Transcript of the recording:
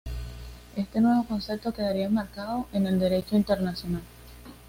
Este nuevo concepto quedaría enmarcado en el Derecho internacional.